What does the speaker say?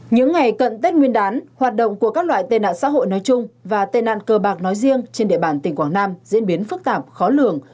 những ngày cận tết nguyên đán hoạt động của các loại tệ nạn xã hội nói chung và tệ nạn cờ bạc nói riêng trên địa bàn tỉnh quảng nam diễn biến phức tạp khó lường